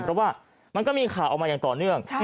เพราะว่ามันก็มีข่าวออกมาอย่างต่อเนื่อง